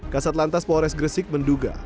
kasat lantas polres gresik menduga